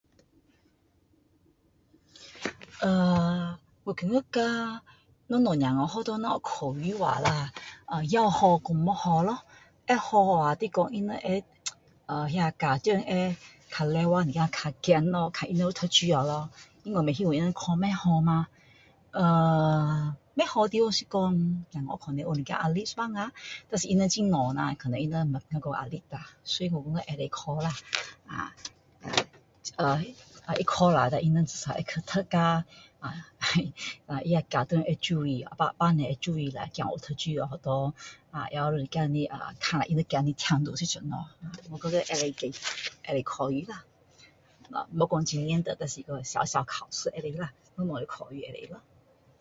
啊，我觉得啊，小小小孩那学校要是有考试的话啦，有好也有不好，会好的话就他们会是说那家长会较勤劳一点较怕咯看他们有读书嘛咯，因为不希望他们考不好嘛，额，不好的地方是说小孩可能有一点压力一半下，可是他们很小啦没讲压力啊，我觉得可以考啦，那他考下他们较会去读啊，家长会注意，爸娘会注意，才有读书没学校，也有一点较热啊，看下是什么，我觉得可以考试啦，没讲很多，小小考试可以